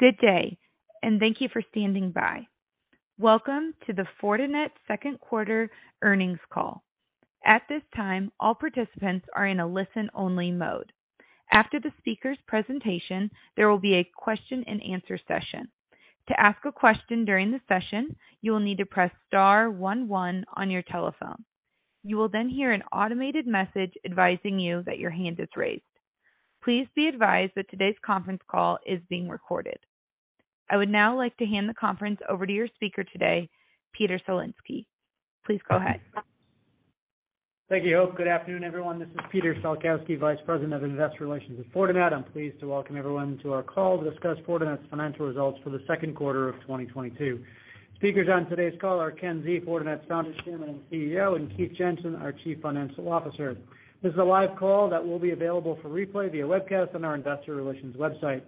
Good day, and thank you for standing by. Welcome to the Fortinet second quarter earnings call. At this time, all participants are in a listen-only mode. After the speaker's presentation, there will be a question-and-answer session. To ask a question during the session, you will need to press star one one on your telephone. You will then hear an automated message advising you that your hand is raised. Please be advised that today's conference call is being recorded. I would now like to hand the conference over to your speaker today, Peter Salkowski. Please go ahead. Thank you, Hope. Good afternoon, everyone. This is Peter Salkowski, Vice President of Investor Relations at Fortinet. I'm pleased to welcome everyone to our call to discuss Fortinet's financial results for the second quarter of 2022. Speakers on today's call are Ken Xie, Fortinet's founder, chairman, and CEO, and Keith Jensen, our Chief Financial Officer. This is a live call that will be available for replay via webcast on our investor relations website.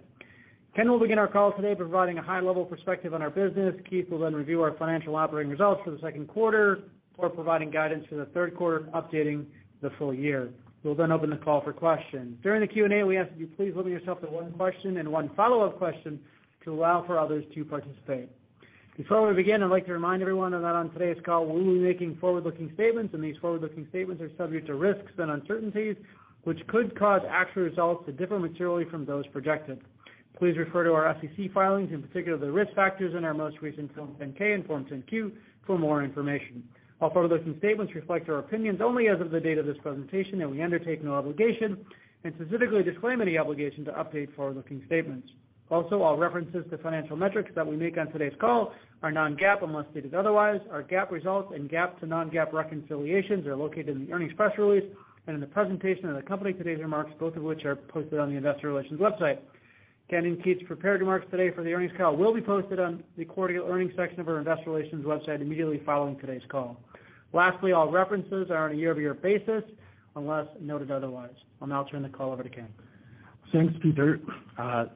Ken will begin our call today providing a high-level perspective on our business. Keith will then review our financial operating results for the second quarter before providing guidance for the third quarter, updating the full year. We'll then open the call for questions. During the Q&A, we ask that you please limit yourself to one question and one follow-up question to allow for others to participate. Before we begin, I'd like to remind everyone that on today's call, we will be making forward-looking statements, and these forward-looking statements are subject to risks and uncertainties, which could cause actual results to differ materially from those projected. Please refer to our SEC filings, in particular the risk factors in our most recent Form 10-K and Form 10-Q for more information. All forward-looking statements reflect our opinions only as of the date of this presentation, and we undertake no obligation and specifically disclaim any obligation to update forward-looking statements. Also, all references to financial metrics that we make on today's call are non-GAAP unless stated otherwise. Our GAAP results and GAAP to non-GAAP reconciliations are located in the earnings press release and in the company's presentation of today's remarks, both of which are posted on the investor relations website. Ken and Keith's prepared remarks today for the earnings call will be posted on the quarterly earnings section of our investor relations website immediately following today's call. Lastly, all references are on a year-over-year basis unless noted otherwise. I'll now turn the call over to Ken. Thanks, Peter.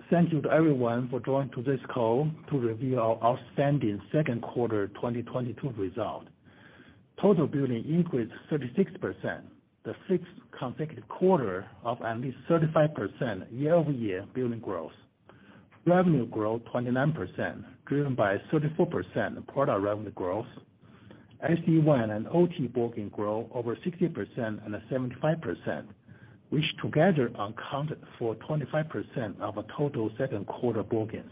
Thank you to everyone for joining this call to review our outstanding second quarter 2022 results. Total billings increased 36%, the sixth consecutive quarter of at least 35% year-over-year billings growth. Revenue grew 29%, driven by a 34% product revenue growth. SD-WAN and OT bookings grew over 60% and 75%, which together accounted for 25% of our total second quarter bookings.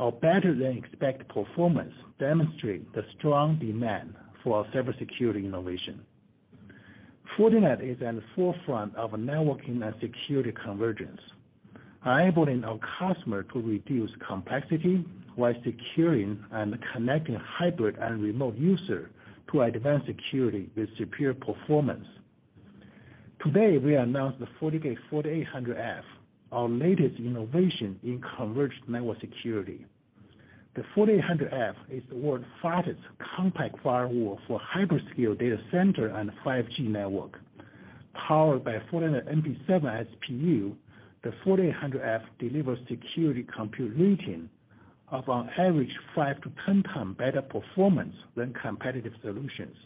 Our better-than-expected performance demonstrates the strong demand for our cybersecurity innovations. Fortinet is at the forefront of networking and security convergence, enabling our customers to reduce complexity while securing and connecting hybrid and remote users to advanced security with superior performance. Today, we announced the FortiGate 4800F, our latest innovation in converged network security. The 4800F is the world's fastest compact firewall for hyperscale data centers and 5G networks. Powered by Fortinet NP7 SPU, the 4800F delivers Security Compute Rating of on average 5-10 times better performance than competitive solutions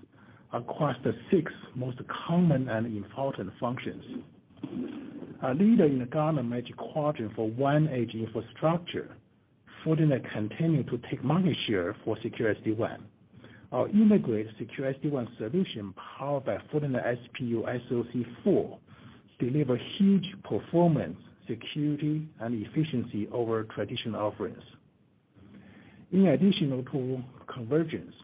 across the 6 most common and important functions. A leader in the Gartner Magic Quadrant for WAN Edge Infrastructure, Fortinet continues to take market share for secure SD-WAN. Our integrated secure SD-WAN solution, powered by Fortinet SPU SoC4, delivers huge performance, security, and efficiency over traditional offerings. In addition to convergence,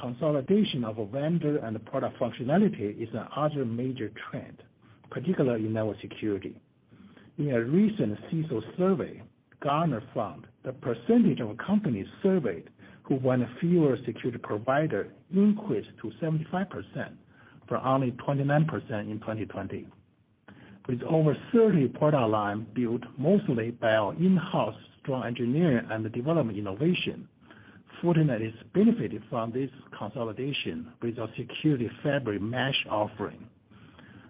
consolidation of a vendor and product functionality is another major trend, particularly in network security. In a recent CISO survey, Gartner found the percentage of companies surveyed who want fewer security providers increased to 75% from only 29% in 2020. With over 30 product lines built mostly by our in-house strong engineering and development innovation, Fortinet is benefiting from this consolidation with our Security Fabric mesh offering.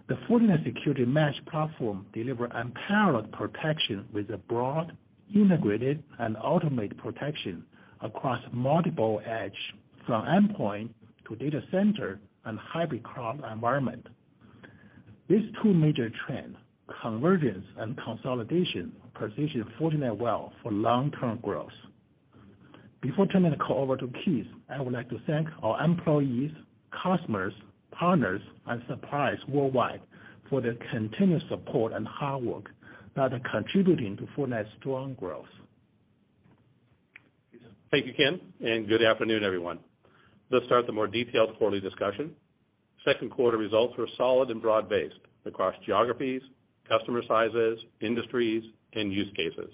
The Fortinet Security Fabric platform delivers unparalleled protection with a broad, integrated, and automated protection across multiple edges, from endpoint to data center and hybrid cloud environment. These two major trends, convergence and consolidation, position Fortinet well for long-term growth. Before turning the call over to Keith, I would like to thank our employees, customers, partners, and suppliers worldwide for their continuous support and hard work that are contributing to Fortinet's strong growth. Thank you, Ken, and good afternoon, everyone. Let's start the more detailed quarterly discussion. Second quarter results were solid and broad-based across geographies, customer sizes, industries, and use cases,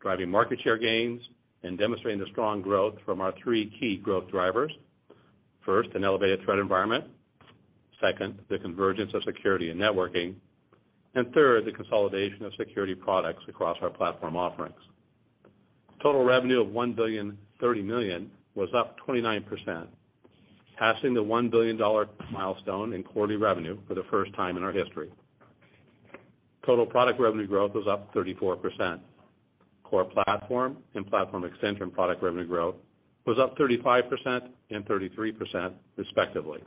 driving market share gains and demonstrating the strong growth from our three key growth drivers. First, an elevated threat environment. Second, the convergence of security and networking. And third, the consolidation of security products across our platform offerings. Total revenue of $1.03 billion was up 29%, passing the $1 billion milestone in quarterly revenue for the first time in our history. Total product revenue growth was up 34%. Core platform and platform extension product revenue growth was up 35% and 33% respectively.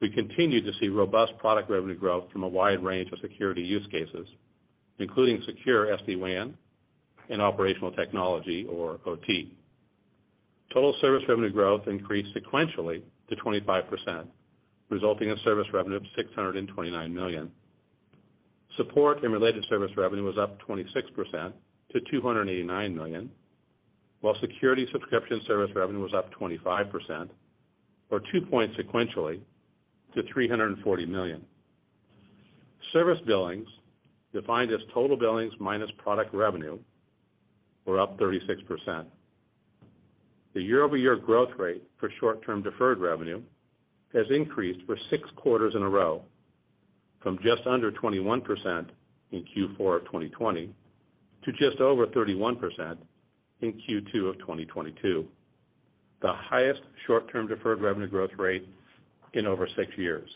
We continue to see robust product revenue growth from a wide range of security use cases, including secure SD-WAN and operational technology or OT. Total service revenue growth increased sequentially to 25%, resulting in service revenue of $629 million. Support and related service revenue was up 26% to $289 million, while security subscription service revenue was up 25%, or 2 points sequentially to $340 million. Service billings, defined as total billings minus product revenue, were up 36%. The year-over-year growth rate for short-term deferred revenue has increased for 6 quarters in a row from just under 21% in Q4 of 2020 to just over 31% in Q2 of 2022, the highest short-term deferred revenue growth rate in over 6 years.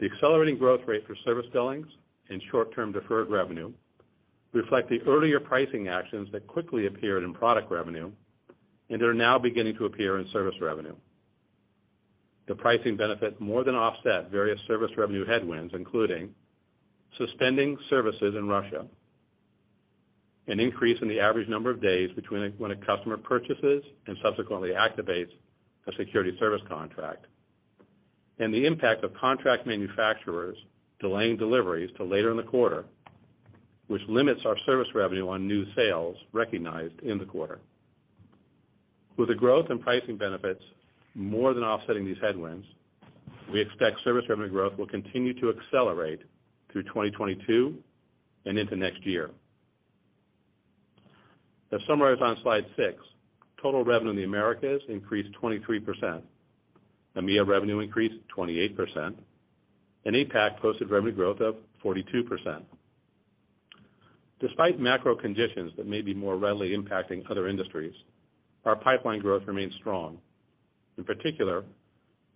The accelerating growth rate for service billings and short-term deferred revenue reflect the earlier pricing actions that quickly appeared in product revenue and are now beginning to appear in service revenue. The pricing benefit more than offset various service revenue headwinds, including suspending services in Russia, an increase in the average number of days between when a customer purchases and subsequently activates a security service contract, and the impact of contract manufacturers delaying deliveries to later in the quarter, which limits our service revenue on new sales recognized in the quarter. With the growth in pricing benefits more than offsetting these headwinds, we expect service revenue growth will continue to accelerate through 2022 and into next year. As summarized on slide six, total revenue in the Americas increased 23%. EMEA revenue increased 28%, and APAC posted revenue growth of 42%. Despite macro conditions that may be more readily impacting other industries, our pipeline growth remains strong. In particular,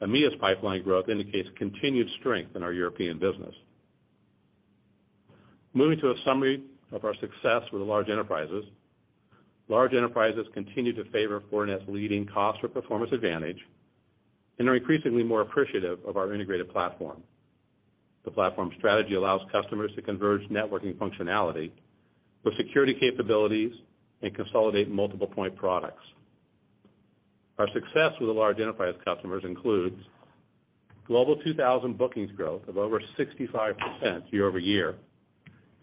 EMEA's pipeline growth indicates continued strength in our European business. Moving to a summary of our success with large enterprises. Large enterprises continue to favor Fortinet's leading cost for performance advantage and are increasingly more appreciative of our integrated platform. The platform strategy allows customers to converge networking functionality with security capabilities and consolidate multiple point products. Our success with large enterprise customers includes Global 2000 bookings growth of over 65% year-over-year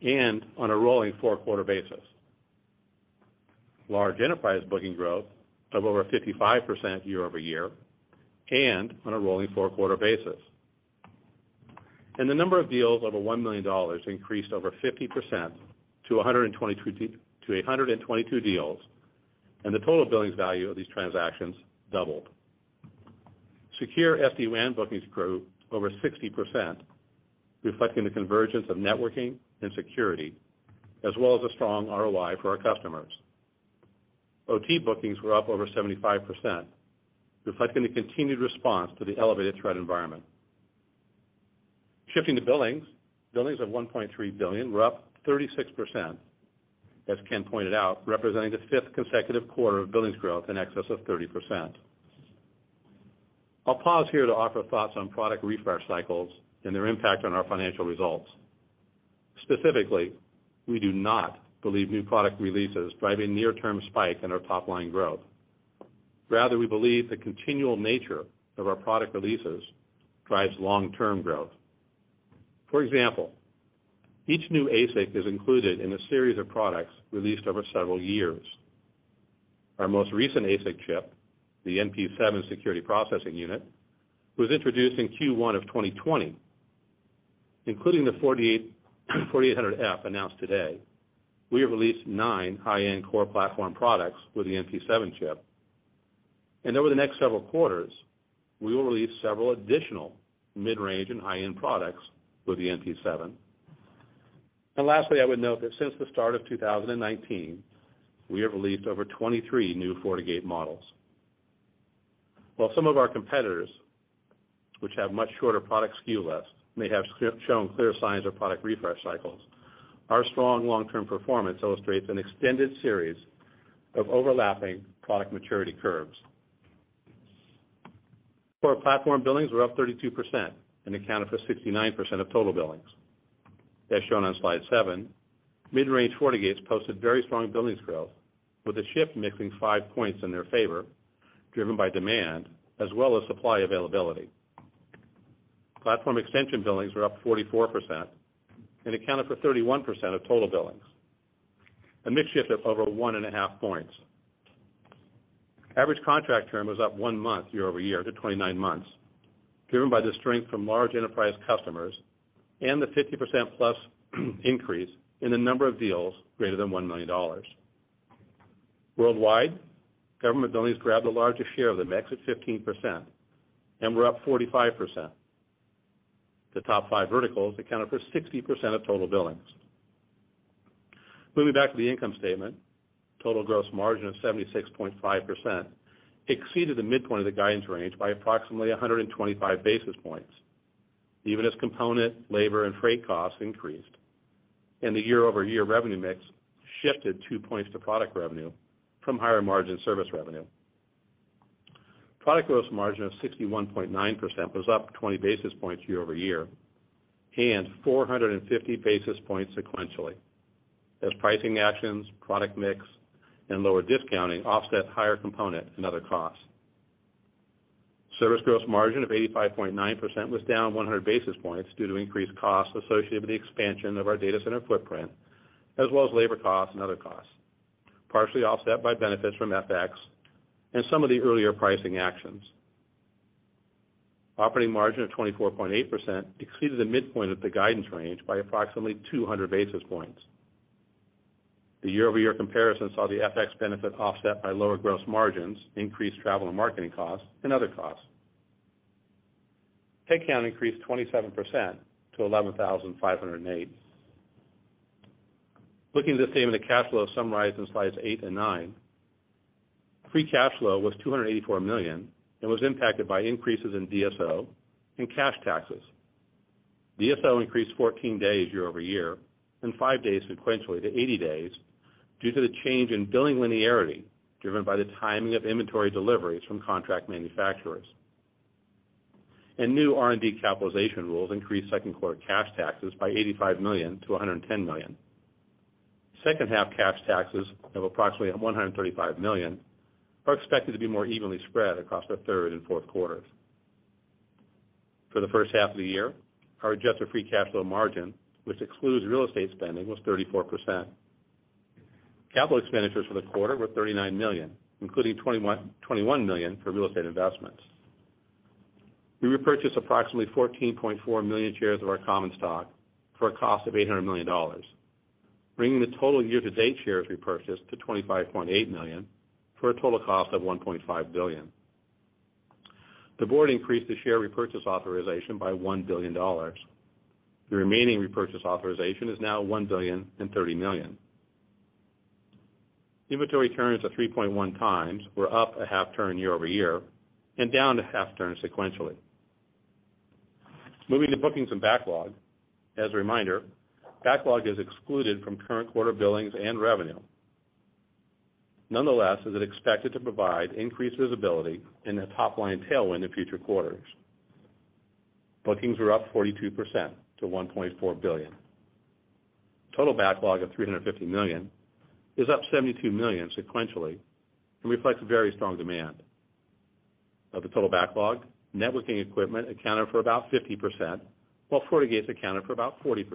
and on a rolling four-quarter basis. Large enterprise booking growth of over 55% year-over-year and on a rolling four-quarter basis. The number of deals over $1 million increased over 50% to 822 deals, and the total billings value of these transactions doubled. Secure SD-WAN bookings grew over 60%, reflecting the convergence of networking and security, as well as a strong ROI for our customers. OT bookings were up over 75%, reflecting the continued response to the elevated threat environment. Shifting to billings. Billings of $1.3 billion were up 36%, as Ken pointed out, representing the fifth consecutive quarter of billings growth in excess of 30%. I'll pause here to offer thoughts on product refresh cycles and their impact on our financial results. Specifically, we do not believe new product releases drive a near-term spike in our top-line growth. Rather, we believe the continual nature of our product releases drives long-term growth. For example, each new ASIC is included in a series of products released over several years. Our most recent ASIC chip, the NP7 Security Processing Unit, was introduced in Q1 of 2020. Including the FortiGate 4800F announced today, we have released 9 high-end core platform products with the NP7 chip. Over the next several quarters, we will release several additional mid-range and high-end products with the NP7. Lastly, I would note that since the start of 2019, we have released over 23 new FortiGate models. While some of our competitors, which have much shorter product SKU lists, may have shown clear signs of product refresh cycles, our strong long-term performance illustrates an extended series of overlapping product maturity curves. Core platform billings were up 32% and accounted for 69% of total billings. As shown on slide 7, mid-range FortiGates posted very strong billings growth with a shift mixing 5 points in their favor, driven by demand as well as supply availability. Platform extension billings were up 44% and accounted for 31% of total billings. A mix shift of over 1.5 points. Average contract term was up 1 month year-over-year to 29 months, driven by the strength from large enterprise customers and the 50%+ increase in the number of deals greater than $1 million. Worldwide, government billings grabbed the largest share of the mix at 15% and were up 45%. The top 5 verticals accounted for 60% of total billings. Moving back to the income statement, total gross margin of 76.5% exceeded the midpoint of the guidance range by approximately 125 basis points, even as component, labor, and freight costs increased. The year-over-year revenue mix shifted 2 points to product revenue from higher margin service revenue. Product gross margin of 61.9% was up 20 basis points year-over-year, and 450 basis points sequentially, as pricing actions, product mix, and lower discounting offset higher component and other costs. Service gross margin of 85.9% was down 100 basis points due to increased costs associated with the expansion of our data center footprint, as well as labor costs and other costs, partially offset by benefits from FX and some of the earlier pricing actions. Operating margin of 24.8% exceeded the midpoint of the guidance range by approximately 200 basis points. The year-over-year comparison saw the FX benefit offset by lower gross margins, increased travel and marketing costs, and other costs. Headcount increased 27% to 11,508. Looking at the statement of cash flow summarized in Slides 8 and 9. Free cash flow was $284 million and was impacted by increases in DSO and cash taxes. DSO increased 14 days year-over-year and 5 days sequentially to 80 days due to the change in billing linearity driven by the timing of inventory deliveries from contract manufacturers. New R&D capitalization rules increased second quarter cash taxes by $85 million to $110 million. Second half cash taxes of approximately $135 million are expected to be more evenly spread across the third and fourth quarters. For the first half of the year, our adjusted free cash flow margin, which excludes real estate spending, was 34%. Capital expenditures for the quarter were $39 million, including $21 million for real estate investments. We repurchased approximately 14.4 million shares of our common stock for a cost of $800 million, bringing the total year-to-date shares repurchased to 25.8 million for a total cost of $1.5 billion. The board increased the share repurchase authorization by $1 billion. The remaining repurchase authorization is now $1.03 billion. Inventory turns of 3.1 times were up a half turn year-over-year and down a half turn sequentially. Moving to bookings and backlog. As a reminder, backlog is excluded from current quarter billings and revenue. Nonetheless, it is expected to provide increased visibility in the top-line tailwind in future quarters. Bookings were up 42% to $1.4 billion. Total backlog of $350 million is up $72 million sequentially and reflects very strong demand. Of the total backlog, networking equipment accounted for about 50%, while FortiGate accounted for about 40%.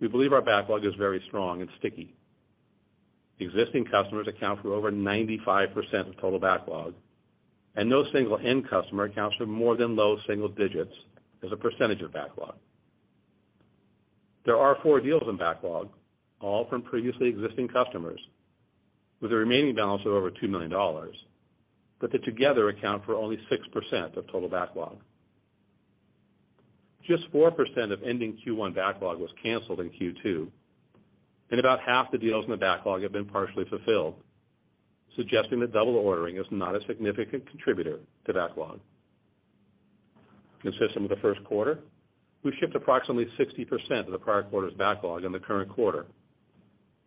We believe our backlog is very strong and sticky. Existing customers account for over 95% of total backlog, and no single end customer accounts for more than low single digits as a percentage of backlog. There are four deals in backlog, all from previously existing customers, with a remaining balance of over $2 million, but they together account for only 6% of total backlog. Just 4% of ending Q1 backlog was canceled in Q2, and about half the deals in the backlog have been partially fulfilled, suggesting that double ordering is not a significant contributor to backlog. Consistent with the first quarter, we shipped approximately 60% of the prior quarter's backlog in the current quarter,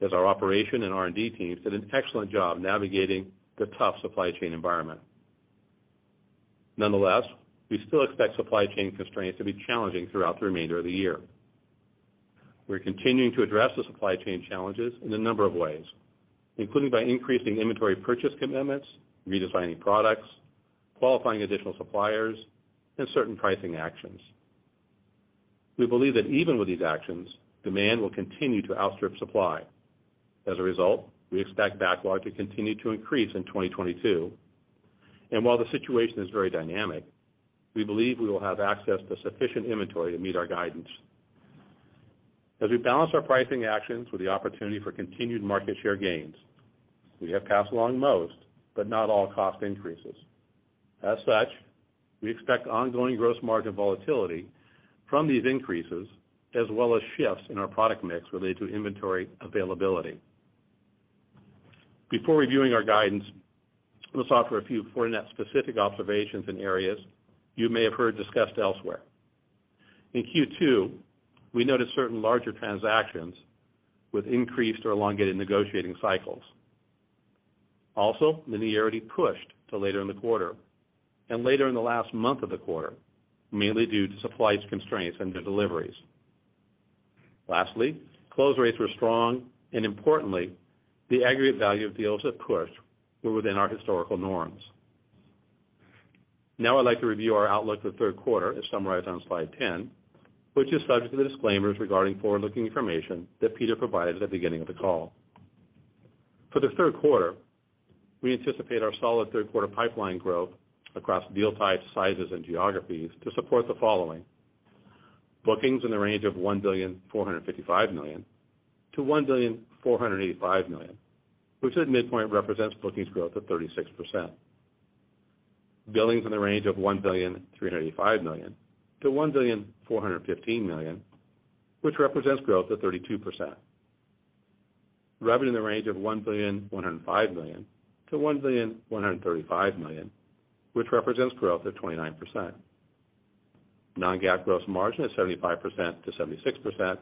as our operation and R&D teams did an excellent job navigating the tough supply chain environment. Nonetheless, we still expect supply chain constraints to be challenging throughout the remainder of the year. We're continuing to address the supply chain challenges in a number of ways, including by increasing inventory purchase commitments, redesigning products, qualifying additional suppliers, and certain pricing actions. We believe that even with these actions, demand will continue to outstrip supply. As a result, we expect backlog to continue to increase in 2022. While the situation is very dynamic, we believe we will have access to sufficient inventory to meet our guidance. As we balance our pricing actions with the opportunity for continued market share gains, we have passed along most but not all cost increases. As such, we expect ongoing gross margin volatility from these increases, as well as shifts in our product mix related to inventory availability. Before reviewing our guidance, let's offer a few Fortinet-specific observations in areas you may have heard discussed elsewhere. In Q2, we noticed certain larger transactions with increased or elongated negotiating cycles. Also, linearity pushed to later in the quarter and later in the last month of the quarter, mainly due to supply constraints and their deliveries. Lastly, close rates were strong, and importantly, the aggregate value of deals that pushed were within our historical norms. Now I'd like to review our outlook for third quarter as summarized on Slide 10, which is subject to the disclaimers regarding forward-looking information that Peter provided at the beginning of the call. For the third quarter, we anticipate our solid third quarter pipeline growth across deal types, sizes, and geographies to support the following. Bookings in the range of $1.455 billion-$1.485 billion, which at midpoint represents bookings growth of 36%. Billings in the range of $1.385 billion-$1.415 billion, which represents growth of 32%. Revenue in the range of $1.105 billion-$1.135 billion, which represents growth of 29%. Non-GAAP gross margin of 75%-76%.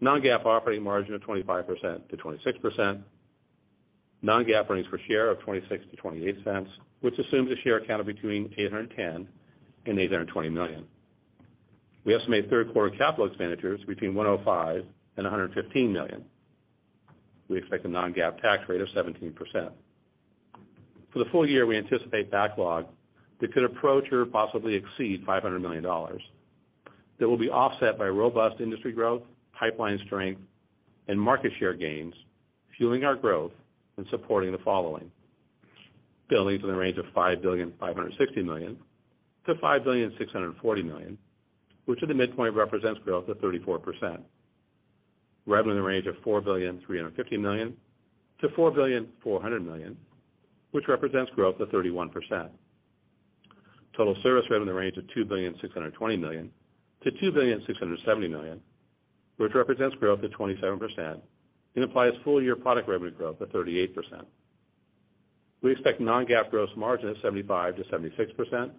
Non-GAAP operating margin of 25%-26%. Non-GAAP earnings per share of $0.26-$0.28, which assumes a share count of between 810 million and 820 million. We estimate third quarter capital expenditures between $105 million and $115 million. We expect a non-GAAP tax rate of 17%. For the full year, we anticipate backlog that could approach or possibly exceed $500 million. That will be offset by robust industry growth, pipeline strength, and market share gains, fueling our growth and supporting the following. Billings in the range of $5.56 billion-$5.64 billion, which at the midpoint represents growth of 34%. Revenue in the range of $4.35 billion-$4.4 billion, which represents growth of 31%. Total service revenue in the range of $2.62 billion-$2.67 billion, which represents growth of 27% and implies full-year product revenue growth of 38%. We expect non-GAAP gross margin of 75%-76%.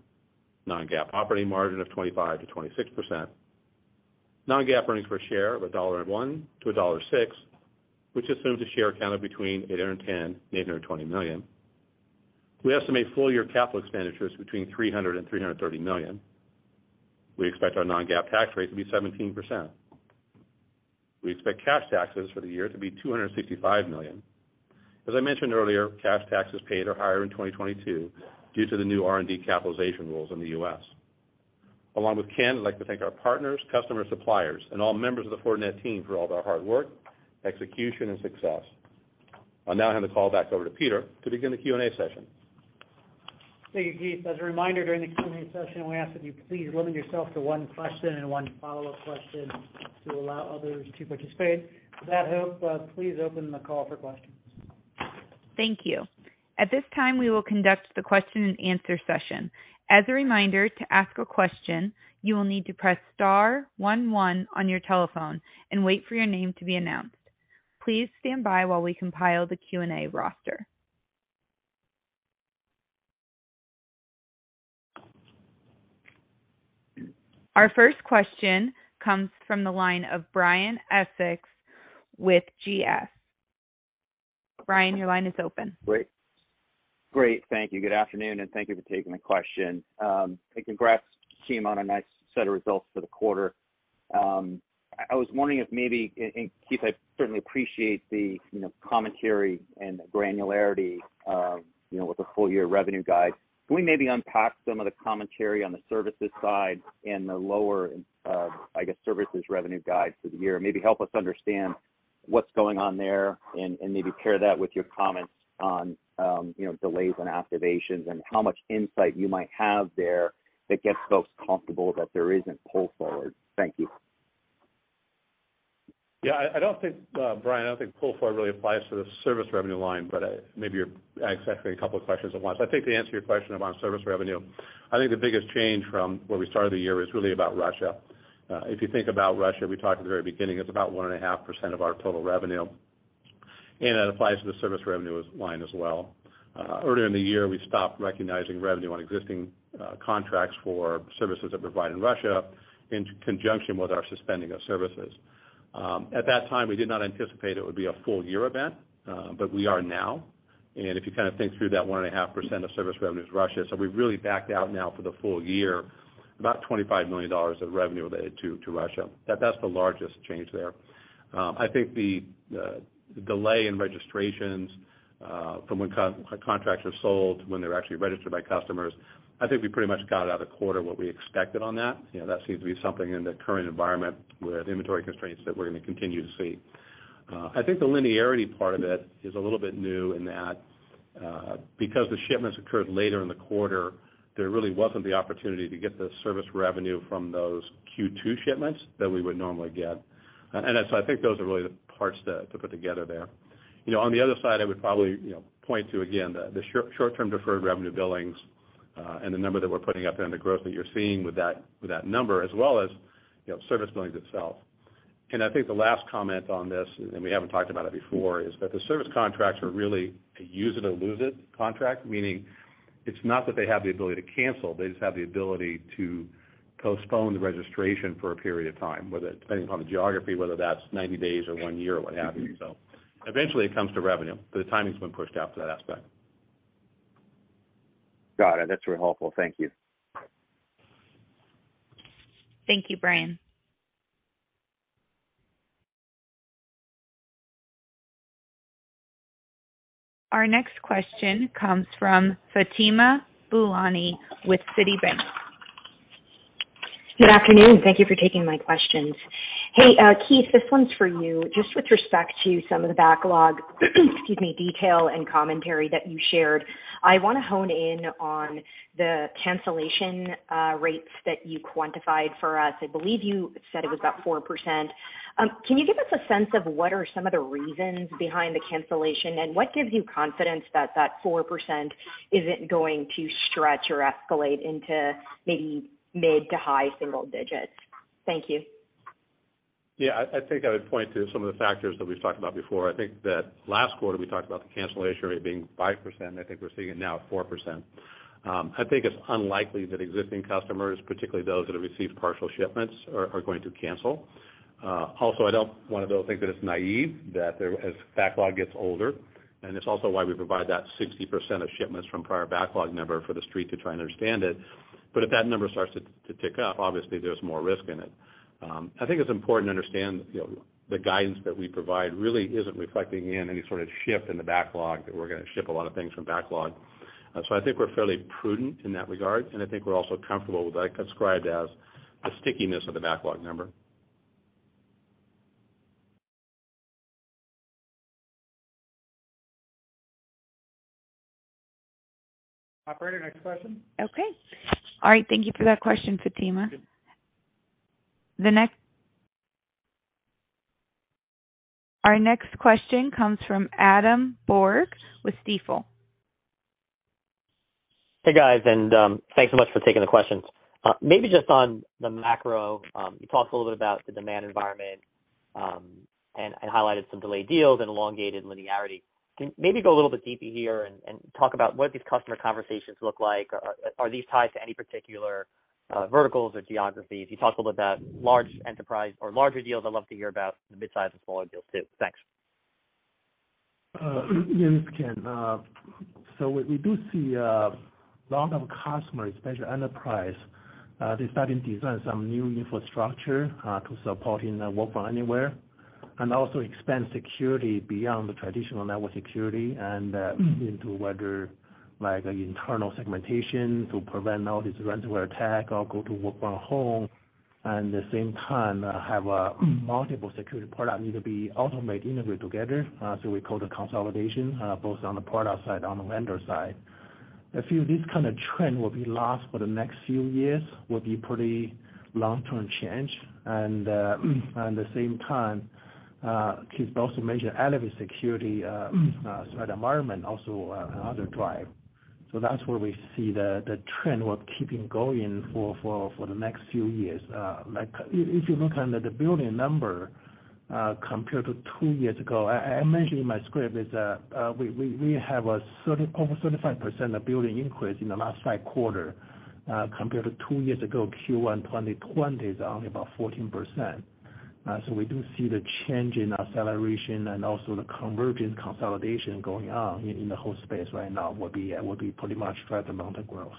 Non-GAAP operating margin of 25%-26%. Non-GAAP earnings per share of $1.01-$1.06, which assumes a share count of between 810 million and 820 million. We estimate full-year capital expenditures between $300 million and $330 million. We expect our non-GAAP tax rate to be 17%. We expect cash taxes for the year to be $265 million. As I mentioned earlier, cash taxes paid are higher in 2022 due to the new R&D capitalization rules in the U.S. Along with Ken, I'd like to thank our partners, customers, suppliers, and all members of the Fortinet team for all their hard work, execution, and success. I'll now hand the call back over to Peter to begin the Q&A session. Thank you, Keith. As a reminder, during the Q&A session, we ask that you please limit yourself to one question and one follow-up question to allow others to participate. With that note, please open the call for questions. Thank you. At this time, we will conduct the question-and-answer session. As a reminder, to ask a question, you will need to press star one one on your telephone and wait for your name to be announced. Please stand by while we compile the Q&A roster. Our first question comes from the line of Brian Essex with GS. Brian, your line is open. Great. Thank you. Good afternoon, and thank you for taking the question. Congrats team on a nice set of results for the quarter. I was wondering if maybe, and Keith, I certainly appreciate the, you know, commentary and the granularity, you know, with the full year revenue guide. Can we maybe unpack some of the commentary on the services side and the lower, I guess, services revenue guide for the year? Maybe help us understand what's going on there and maybe pair that with your comments on, you know, delays and activations and how much insight you might have there that gets folks comfortable that there isn't pull forward. Thank you. Yeah, I don't think, Brian, pull forward really applies to the service revenue line, but maybe you're asking a couple of questions at once. I think to answer your question about service revenue, I think the biggest change from where we started the year is really about Russia. If you think about Russia, we talked at the very beginning, it's about 1.5% of our total revenue, and that applies to the service revenue line as well. Earlier in the year, we stopped recognizing revenue on existing contracts for services that provide in Russia in conjunction with our suspending of services. At that time, we did not anticipate it would be a full year event, but we are now. If you kinda think through that 1.5% of service revenue is Russia. We've really backed out now for the full year, about $25 million of revenue related to Russia. That's the largest change there. I think the delay in registrations from when contracts are sold to when they're actually registered by customers. I think we pretty much got out of quarter what we expected on that. You know, that seems to be something in the current environment with inventory constraints that we're gonna continue to see. I think the linearity part of it is a little bit new in that, because the shipments occurred later in the quarter, there really wasn't the opportunity to get the service revenue from those Q2 shipments that we would normally get. I think those are really the parts to put together there. You know, on the other side, I would probably, you know, point to, again, the short-term deferred revenue billings, and the number that we're putting up and the growth that you're seeing with that number, as well as, you know, service billings itself. I think the last comment on this, and we haven't talked about it before, is that the service contracts are really a use it or lose it contract, meaning it's not that they have the ability to cancel, they just have the ability to postpone the recognition for a period of time, whether depending upon the geography, whether that's 90 days or one year or what have you. Eventually it comes to revenue, but the timing's been pushed out for that aspect. Got it. That's really helpful. Thank you. Thank you, Brian. Our next question comes from Fatima Boolani with Citibank. Good afternoon. Thank you for taking my questions. Hey, Keith, this one's for you. Just with respect to some of the backlog, excuse me, detail and commentary that you shared, I wanna hone in on the cancellation rates that you quantified for us. I believe you said it was about 4%. Can you give us a sense of what are some of the reasons behind the cancellation, and what gives you confidence that that 4% isn't going to stretch or escalate into maybe mid- to high-single digits? Thank you. Yeah, I think I would point to some of the factors that we've talked about before. I think that last quarter we talked about the cancellation rate being 5%. I think we're seeing it now at 4%. I think it's unlikely that existing customers, particularly those that have received partial shipments, are going to cancel. Also, I don't want to think that it's naive as backlog gets older, and it's also why we provide that 60% of shipments from prior backlog number for the street to try and understand it, but if that number starts to tick up, obviously there's more risk in it. I think it's important to understand, you know, the guidance that we provide really isn't reflecting in any sort of shift in the backlog that we're gonna ship a lot of things from backlog. I think we're fairly prudent in that regard, and I think we're also comfortable with what I described as the stickiness of the backlog number. Operator, next question. Okay. All right, thank you for that question, Fatima. Our next question comes from Adam Borg with Stifel. Hey, guys, thanks so much for taking the questions. Maybe just on the macro, you talked a little bit about the demand environment, and highlighted some delayed deals and elongated linearity. Can you maybe go a little bit deeper here and talk about what these customer conversations look like? Are these tied to any particular verticals or geographies? You talked a little about large enterprise or larger deals. I'd love to hear about the midsize and smaller deals, too. Thanks. Yeah, this is Ken. So we do see a lot of customers, especially enterprises, they're starting to design some new infrastructure to support work from anywhere, and also expand security beyond the traditional network security and into whether, like, internal segmentation to prevent all this ransomware attacks or go to work from home, and at the same time, have multiple security products need to be automated, integrated together. So we call the consolidation both on the product side, on the vendor side. I feel this kinda trend will last for the next few years, will be a pretty long-term change. At the same time, Keith also mentioned elevated security, so the environment also another driver. That's where we see the trend will keep going for the next few years. Like if you look under the billings number, compared to two years ago, I mentioned in my script is that we have over 35% billings increase in the last five quarters, compared to two years ago, Q1 2020 is only about 14%. We do see the change in acceleration and also the conversion consolidation going on in the whole space right now will pretty much drive amount of growth.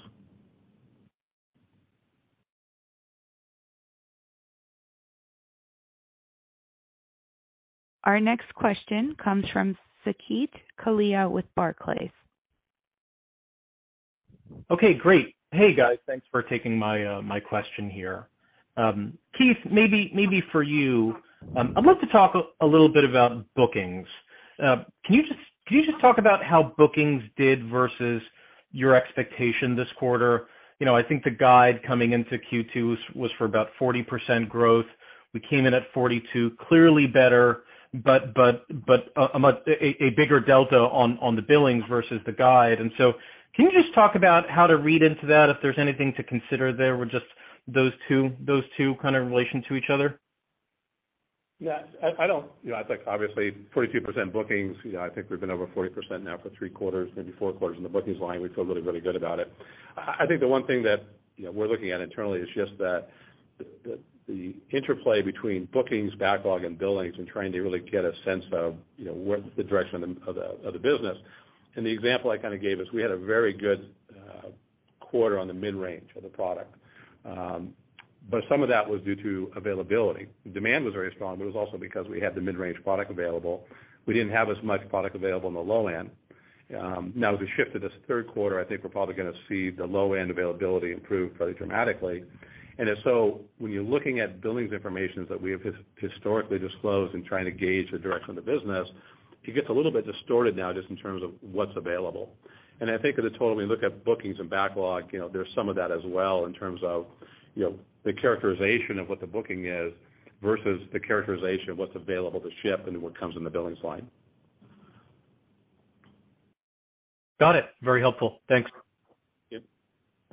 Our next question comes from Saket Kalia with Barclays. Okay, great. Hey, guys, thanks for taking my question here. Keith, maybe for you, I'd love to talk a little bit about bookings. Can you just talk about how bookings did versus your expectation this quarter? You know, I think the guide coming into Q2 was for about 40% growth. We came in at 42%, clearly better, but a much bigger delta on the billings versus the guide. Can you just talk about how to read into that, if there's anything to consider there with just those two kind of in relation to each other? Yeah. You know, it's like obviously 42% bookings. You know, I think we've been over 40% now for three quarters, maybe four quarters in the bookings line. We feel really, really good about it. I think the one thing that, you know, we're looking at internally is just that the interplay between bookings, backlog, and billings and trying to really get a sense of, you know, what the direction of the business. The example I kinda gave is we had a very good quarter on the mid-range of the product. But some of that was due to availability. The demand was very strong, but it was also because we had the mid-range product available. We didn't have as much product available on the low end. Now as we shift to this third quarter, I think we're probably gonna see the low-end availability improve fairly dramatically. If so, when you're looking at billings information that we have historically disclosed and trying to gauge the direction of the business, it gets a little bit distorted now just in terms of what's available. I think as a total, when you look at bookings and backlog, you know, there's some of that as well in terms of, you know, the characterization of what the booking is versus the characterization of what's available to ship and what comes in the billings line. Got it. Very helpful. Thanks. Yep.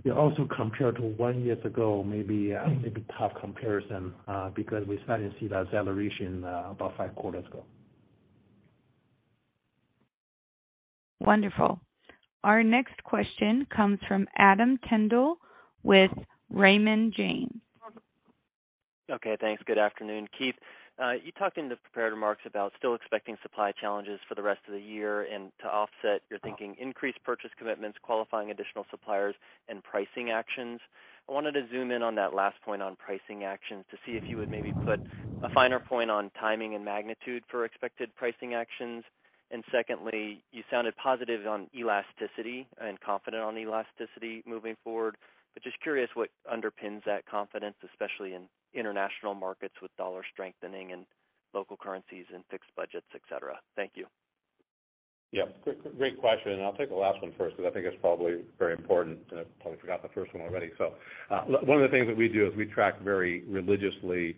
Yeah, also compared to 1 year ago, maybe tough comparison, because we started to see that acceleration about 5 quarters ago. Wonderful. Our next question comes from Adam Tindle with Raymond James. Okay, thanks. Good afternoon. Keith, you talked in the prepared remarks about still expecting supply challenges for the rest of the year, and to offset you're thinking increased purchase commitments, qualifying additional suppliers, and pricing actions. I wanted to zoom in on that last point on pricing actions to see if you would maybe put a finer point on timing and magnitude for expected pricing actions. Secondly, you sounded positive on elasticity and confident on elasticity moving forward, but just curious what underpins that confidence, especially in international markets with dollar strengthening and local currencies and fixed budgets, et cetera. Thank you. Yeah. Great question, and I'll take the last one first because I think it's probably very important, and I probably forgot the first one already. One of the things that we do is we track very religiously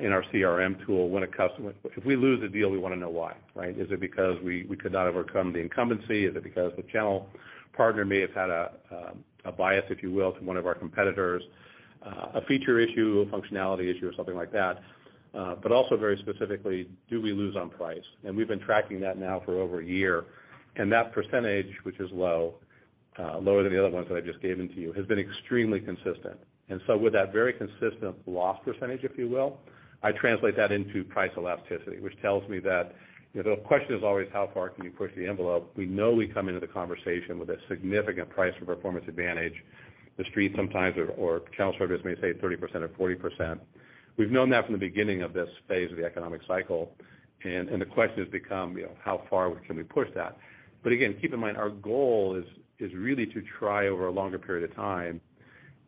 in our CRM tool, when a customer if we lose a deal, we wanna know why, right? Is it because we could not overcome the incumbency? Is it because the channel partner may have had a bias, if you will, to one of our competitors, a feature issue, a functionality issue or something like that? But also very specifically, do we lose on price? We've been tracking that now for over a year. That percentage, which is low, lower than the other ones that I just gave them to you, has been extremely consistent. With that very consistent loss percentage, if you will, I translate that into price elasticity, which tells me that, you know, the question is always how far can you push the envelope? We know we come into the conversation with a significant price for performance advantage. The Street sometimes or channel service may say 30% or 40%. We've known that from the beginning of this phase of the economic cycle, and the question has become, you know, how far can we push that? But again, keep in mind, our goal is really to try over a longer period of time,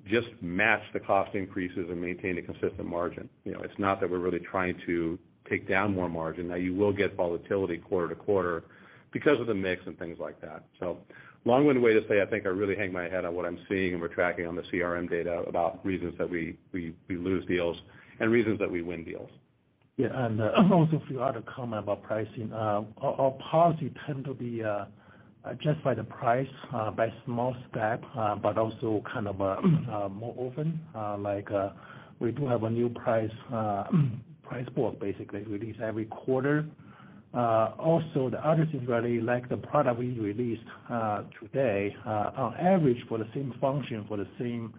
just match the cost increases and maintain a consistent margin. You know, it's not that we're really trying to take down more margin. Now you will get volatility quarter to quarter because of the mix and things like that. Long-winded way to say, I think I really hang my hat on what I'm seeing and we're tracking on the CRM data about reasons that we lose deals and reasons that we win deals. Yeah. Also a few other comments about pricing. Our policy tends to be to adjust the price by small steps, but also kind of more often, like we do have a new price book basically released every quarter. Also the other thing is really like the product we released today, on average for the same function, for the same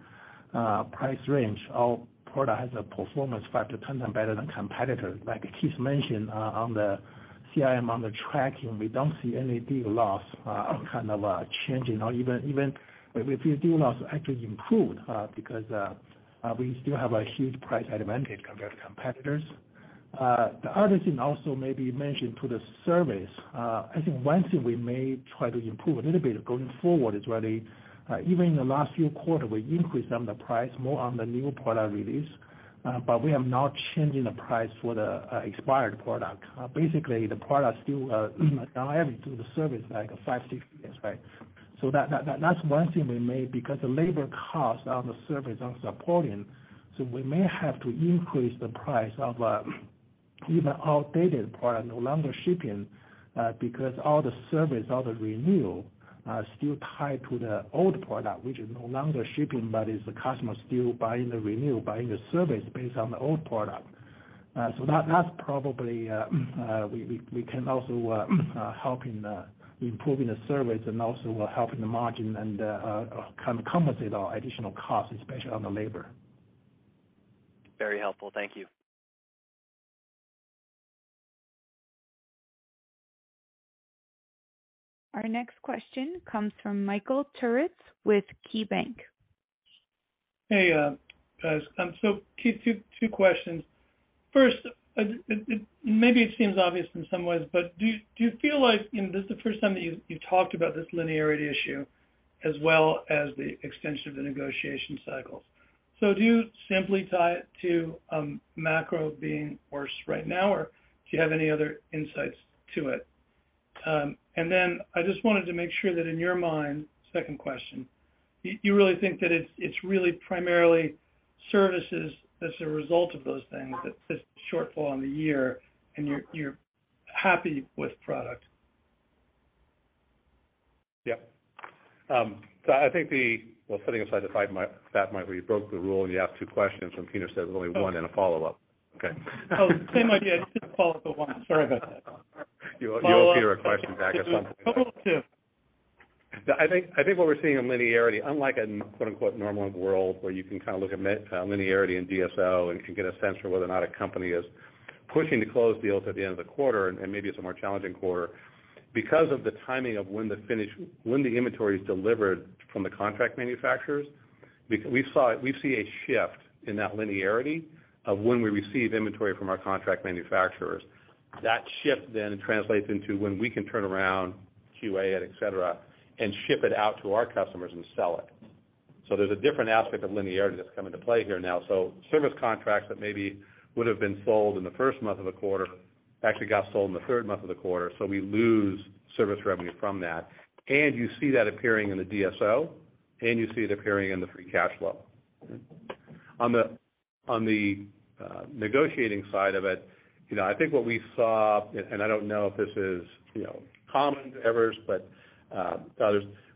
price range, our product has a performance factor times better than competitors. Like Keith mentioned, on the CRM, on the tracking, we don't see any deal loss kind of changing or even we see deal loss actually improve, because we still have a huge price advantage compared to competitors. The other thing also maybe mention to the service. I think one thing we may try to improve a little bit going forward is really, even in the last few quarters, we increased on the price more on the new product release, but we have not changing the price for the expired product. Basically, the product still on average do the service like 5, 6 years. That's one thing we made because the labor costs on the service aren't supporting, so we may have to increase the price of even outdated product, no longer shipping, because all the service, all the renewal are still tied to the old product, which is no longer shipping, but the customer still buying the renewal, buying the service based on the old product. That's probably we can also help in improving the service and also helping the margin and kind of compensate our additional costs, especially on the labor. Very helpful. Thank you. Our next question comes from Michael Turits with KeyBanc. Hey, guys. Two questions. First, maybe it seems obvious in some ways, but do you feel like, you know, this is the first time that you talked about this linearity issue as well as the extension of the negotiation cycles. Do you simply tie it to macro being worse right now, or do you have any other insights to it? Then I just wanted to make sure that in your mind, second question, you really think that it's really primarily services as a result of those things, that this shortfall on the year and you're happy with product? Yeah. I think. Well, setting aside that might be where you broke the rule and you asked two questions, and Peter says only one and a follow-up. Okay. Oh, same idea. It's just follow-up to one. Sorry about that. You owe Peter a question back at some point. Follow-up to. I think what we're seeing in linearity, unlike in quote-unquote "normal world" where you can kind of look at linearity and DSO and can get a sense for whether or not a company is pushing to close deals at the end of the quarter and maybe it's a more challenging quarter. Because of the timing of when the inventory is delivered from the contract manufacturers, we see a shift in that linearity of when we receive inventory from our contract manufacturers. That shift then translates into when we can turn around QA and et cetera, and ship it out to our customers and sell it. There's a different aspect of linearity that's come into play here now. Service contracts that maybe would have been sold in the first month of a quarter actually got sold in the third month of the quarter, so we lose service revenue from that. You see that appearing in the DSO, and you see it appearing in the free cash flow. On the negotiating side of it, you know, I think what we saw and I don't know if this is, you know, common to others.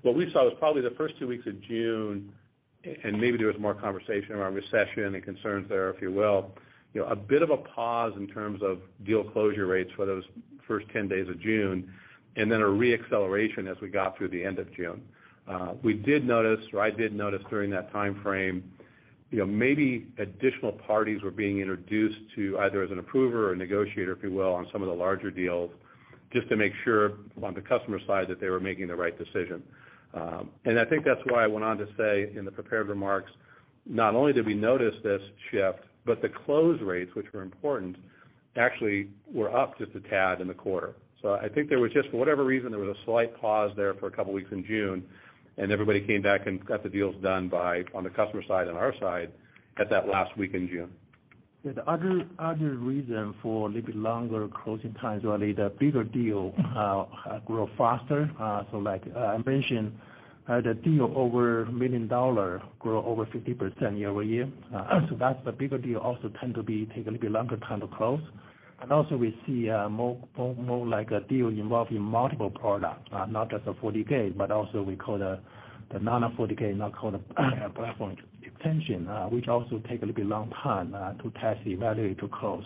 What we saw was probably the first two weeks of June, and maybe there was more conversation around recession and concerns there, if you will, you know, a bit of a pause in terms of deal closure rates for those first 10 days of June, and then a re-acceleration as we got through the end of June. We did notice, or I did notice during that timeframe, you know, maybe additional parties were being introduced to either as an approver or a negotiator, if you will, on some of the larger deals, just to make sure on the customer side that they were making the right decision. I think that's why I went on to say in the prepared remarks, not only did we notice this shift, but the close rates, which were important, actually were up just a tad in the quarter. I think there was just, for whatever reason, a slight pause there for a couple weeks in June, and everybody came back and got the deals done by, on the customer side and our side at that last week in June. Yeah. The other reason for a little bit longer closing times, really, the bigger deals grow faster. So like, I mentioned, the deals over $1 million grow over 50% year-over-year. So that's the bigger deal. They also tend to take a little bit longer time to close. We also see more deals involving multiple products, not just the FortiGate, but also what we call the nano FortiGate, now called platform extension, which also take a little bit longer time to test, evaluate, to close.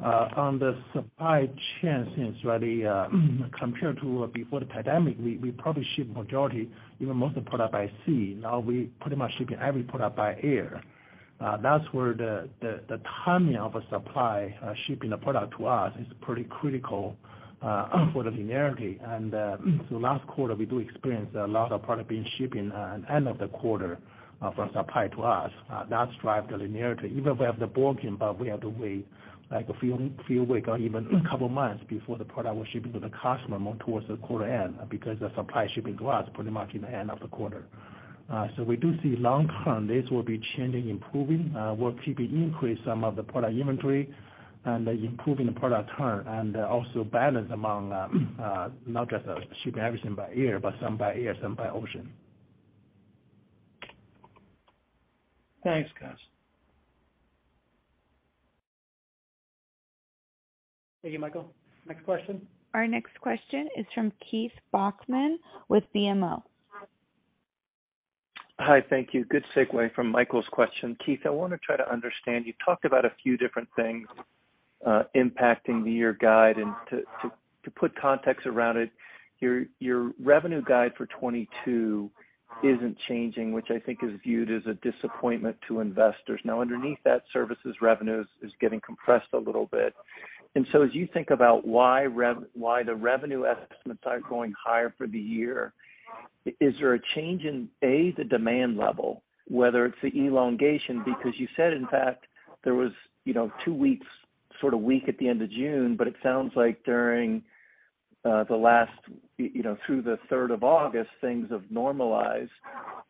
On the supply chain side, really, compared to before the pandemic, we probably ship the majority, even most of the product by sea. Now we pretty much ship every product by air. That's where the timing of a supply shipping a product to us is pretty critical for the linearity. Last quarter we do experience a lot of product being shipping end of the quarter from supply to us. That's drive the linearity. Even if we have the booking, but we have to wait like a few week or even a couple of months before the product will ship to the customer more towards the quarter end because the supply shipping to us pretty much in the end of the quarter. We do see long term, this will be changing, improving. We'll keep increase some of the product inventory and improving the product turn and also balance among not just shipping everything by air, but some by air, some by ocean. Thanks, Gus. Thank you, Michael. Next question. Our next question is from Keith Bachman with BMO. Hi. Thank you. Good segue from Michael's question. Keith, I wanna try to understand. You talked about a few different things impacting the year guide. To put context around it, your revenue guide for 2022 isn't changing, which I think is viewed as a disappointment to investors. Now underneath that, services revenues is getting compressed a little bit. As you think about why the revenue estimates aren't going higher for the year, is there a change in A, the demand level, whether it's the elongation? Because you said in fact there was you know, two weeks sort of weak at the end of June, but it sounds like during the last you know, through the third of August, things have normalized.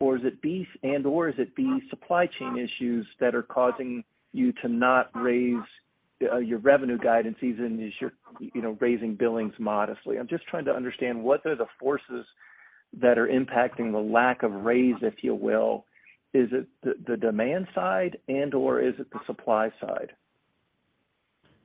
Is it B and/or is it B supply chain issues that are causing you to not raise your revenue guidances and you're, you know, raising billings modestly? I'm just trying to understand what are the forces that are impacting the lack of raise, if you will. Is it the demand side and/or is it the supply side?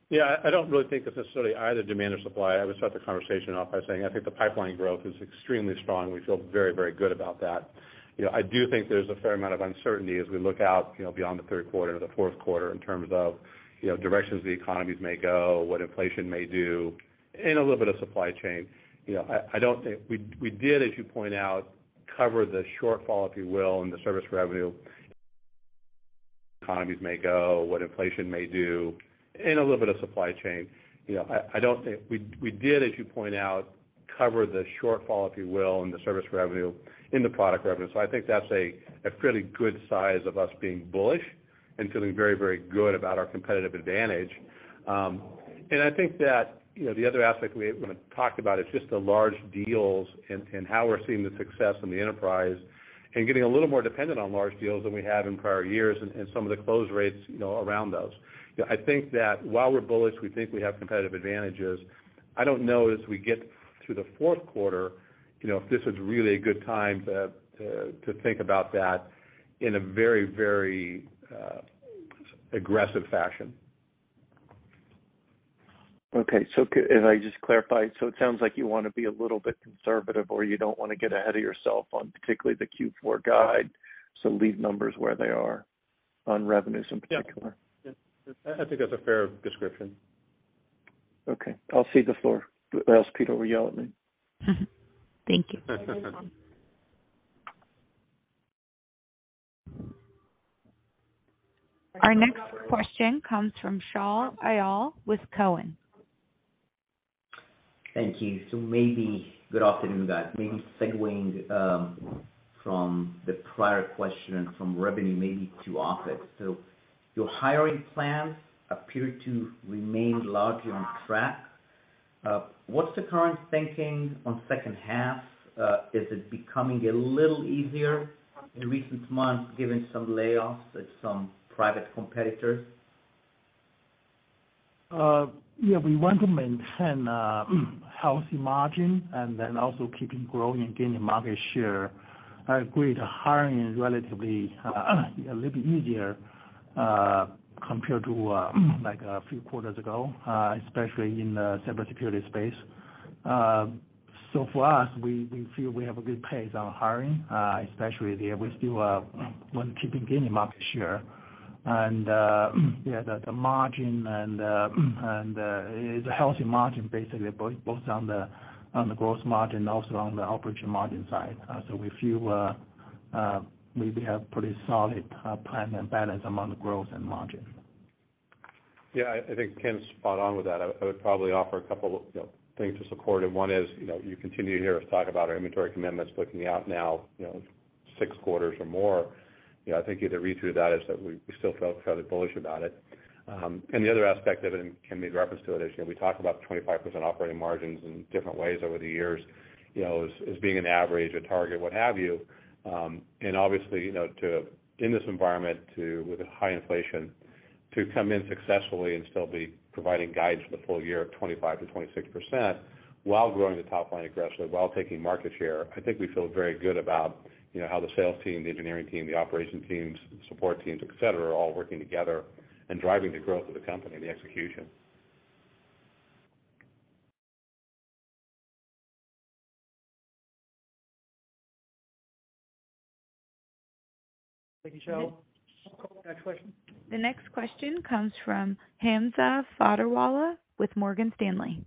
Yeah. I don't really think it's necessarily either demand or supply. I would start the conversation off by saying I think the pipeline growth is extremely strong. We feel very, very good about that. You know, I do think there's a fair amount of uncertainty as we look out, you know, beyond the third quarter, the fourth quarter in terms of, you know, directions the economies may go, what inflation may do, and a little bit of supply chain. You know, I don't think we did, as you point out, cover the shortfall, if you will, in the service revenue, in the product revenue. I think that's a fairly good size of us being bullish and feeling very, very good about our competitive advantage. I think that, you know, the other aspect we haven't talked about is just the large deals and how we're seeing the success in the enterprise and getting a little more dependent on large deals than we have in prior years and some of the close rates, you know, around those. You know, I think that while we're bullish, we think we have competitive advantages. I don't know as we get to the fourth quarter, you know, if this is really a good time to think about that in a very, very aggressive fashion. As I just clarify, it sounds like you wanna be a little bit conservative, or you don't wanna get ahead of yourself on particularly the Q4 guide, so leave numbers where they are on revenues in particular. Yeah. I think that's a fair description. Okay. I'll cede the floor or else Peter will yell at me. Thank you. Our next question comes from Shaul Eyal with Cowen. Thank you. Good afternoon, guys. Maybe segueing from the prior question from revenue maybe to OpEx. Your hiring plans appear to remain largely on track. What's the current thinking on second half? Is it becoming a little easier in recent months given some layoffs at some private competitors? Yeah, we want to maintain a healthy margin and then also keeping growing and gaining market share. I agree that hiring is relatively a little bit easier compared to like a few quarters ago, especially in the cybersecurity space. For us, we feel we have a good pace on hiring, especially there. We still want keeping gaining market share. Yeah, the margin and is a healthy margin basically both on the gross margin, also on the operating margin side. We feel we have pretty solid plan and balance among the growth and margin. Yeah, I think Ken's spot on with that. I would probably offer a couple, you know, things to support. One is, you know, you continue to hear us talk about our inventory commitments looking out now, you know, six quarters or more. You know, I think the read through that is that we still feel fairly bullish about it. The other aspect of it, and Ken made reference to it, is, you know, we talk about 25% operating margins in different ways over the years, you know, as being an average, a target, what have you. Obviously, you know, to. In this environment too, with a high inflation, to come in successfully and still be providing guidance for the full year of 25%-26% while growing the top line aggressively, while taking market share, I think we feel very good about, you know, how the sales team, the engineering team, the operation teams, support teams, et cetera, are all working together and driving the growth of the company, the execution. Thank you, Shaul. Next question. The next question comes from Hamza Fodderwala with Morgan Stanley.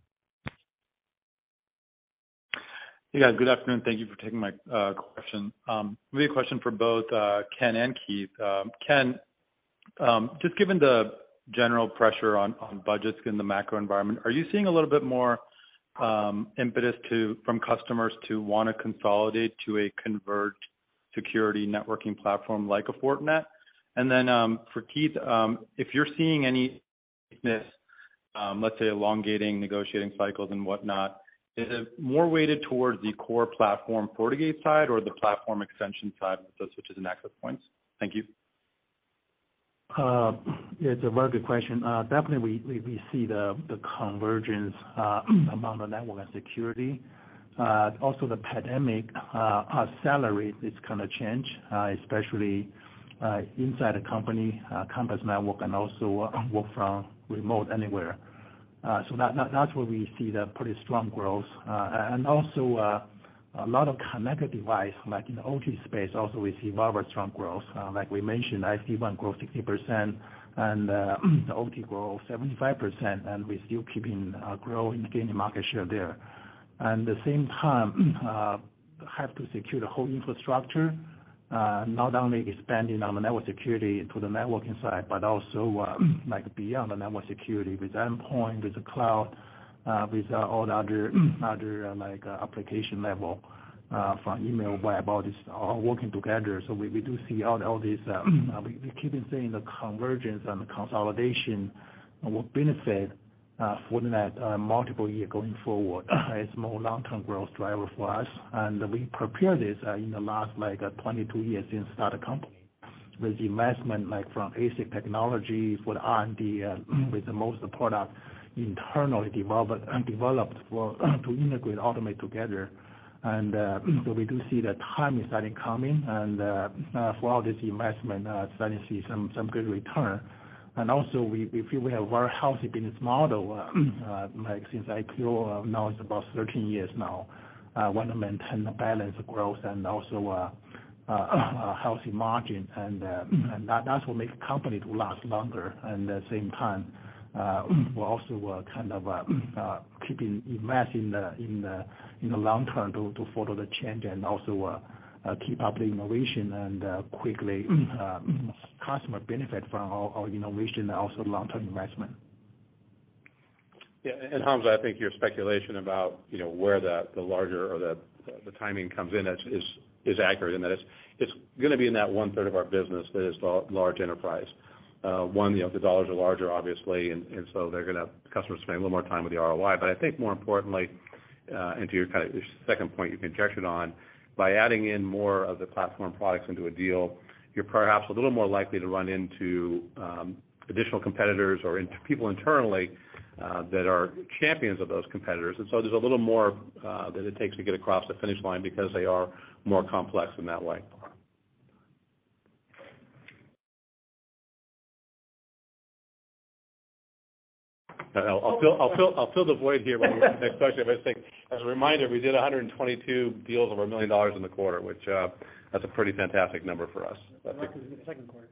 Yeah, good afternoon. Thank you for taking my question. Maybe a question for both Ken and Keith. Ken, just given the general pressure on budgets in the macro environment, are you seeing a little bit more impetus from customers to wanna consolidate to a converged security networking platform like a Fortinet? And then, for Keith, if you're seeing any of this, let's say elongating negotiating cycles and whatnot, is it more weighted towards the core platform FortiGate side or the platform extension side with those switches and access points? Thank you. It's a very good question. Definitely we see the convergence among the network and security. Also the pandemic accelerate this kinda change, especially inside a company campus network, and also work from remote anywhere. That's where we see the pretty strong growth. Also a lot of connected device, like in the OT space also we see very strong growth. Like we mentioned, SD-WAN grew 60% and the OT grew 75%, and we're still growing, gaining market share there. At the same time, have to secure the whole infrastructure, not only expanding on the network security to the networking side, but also, like beyond the network security with endpoint, with the cloud, with all the other like, application level, from email, web, all these are working together. We do see all these, we keep on seeing the convergence and the consolidation will benefit Fortinet, multiple year going forward as more long-term growth driver for us. We prepare this, in the last like 22 years since start the company with the investment like from ASIC technology for the R&D, with the most product internally developed for to integrate, automate together. We do see the time is starting coming and for all this investment starting to see some good return. We feel we have very healthy business model like since IPO, now it's about 13 years now. We wanna maintain the balanced growth and a healthy margin. That's what makes company to last longer. At the same time, we're also kind of keeping invest in the long term to follow the change and keep up the innovation and quickly customer benefit from our innovation and long-term investment. Yeah, Hamza, I think your speculation about, you know, where the larger or the timing comes in is accurate in that it's gonna be in that 1/3 of our business that is the large enterprise. The dollars are larger obviously, and so customers spend a little more time with the ROI. I think more importantly, and to your kind of your second point you conjecture on, by adding in more of the platform products into a deal, you're perhaps a little more likely to run into additional competitors or into people internally that are champions of those competitors. There's a little more that it takes to get across the finish line because they are more complex in that way. I'll fill the void here while we wait for the next question. I'll just say, as a reminder, we did 122 deals over $1 million in the quarter, which that's a pretty fantastic number for us. Welcome to the second quarter.